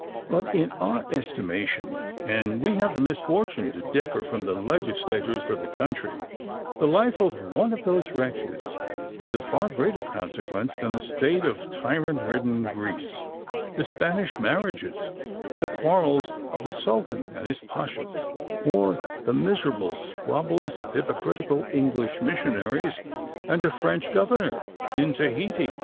But, in our estimation—and we have the misfortune to differ from the legislators of the country—the life of one of those wretches is of far greater consequence than the state of tyrant ridden Greece—the Spanish marriages—the quarrels of the Sultan and his Pachas—or the miserable squabbles of hypocritical English missionaries and a French governor in Tahiti.